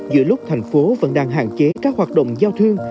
giữa lúc thành phố vẫn đang hạn chế các hoạt động giao thương